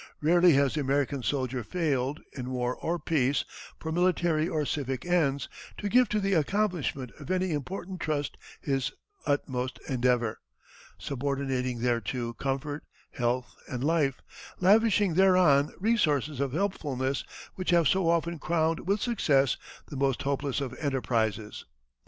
Rarely has the American soldier failed, in war or peace, for military or civic ends, to give to the accomplishment of any important trust his utmost endeavor, subordinating thereto comfort, health, and life, lavishing thereon resources of helpfulness which have so often crowned with success the most hopeless of enterprises.